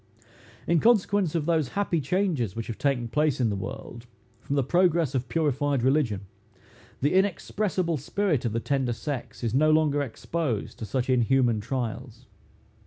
In consequence of those happy changes which have taken place in the world, from the progress of purified religion, the inexpressible spirit of the tender sex is no longer exposed to such inhuman trials.